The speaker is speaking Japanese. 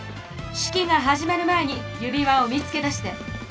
式が始まる前に指輪を見つけ出して！